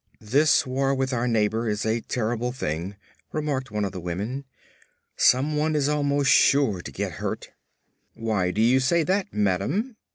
"This war with our neighbors is a terrible thing," remarked one of the women. "Some one is almost sure to get hurt." "Why do you say that, madam?"